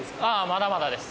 まだまだです。